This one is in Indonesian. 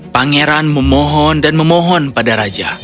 pangeran memohon dan memohon pada raja